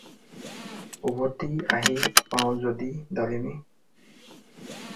উভতি আহি পাওঁ যদি ডালিমী।